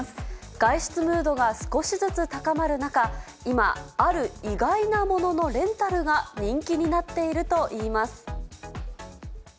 外出ムードが少しずつ高まる中、今、ある意外なもののレンタルが人気になっているといいます。